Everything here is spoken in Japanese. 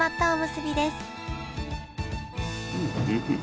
うんおいしい。